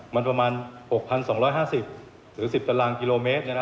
มันประมาณ๖๒๕๐หรือ๑๐ตารางกิโลเมตร